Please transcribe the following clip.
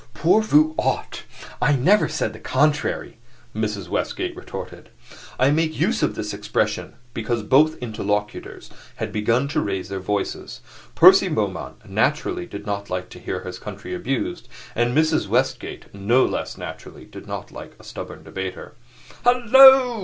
"POUR VOUS AUTRES. I never said the contrary," Mrs. Westgate retorted. I make use of this expression, because both interlocutors had begun to raise their voices. Percy Beaumont naturally did not like to hear his country abused, and Mrs. Westgate, no less naturally, did not like a stubborn debater. "Hallo!"